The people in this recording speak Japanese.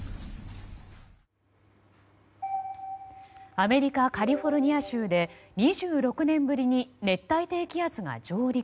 アメリカ・カリフォルニア州で２６年ぶりに熱帯低気圧が上陸。